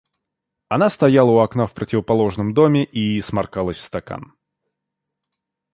Она стояла у окна в противоположном доме и сморкалась в стакан.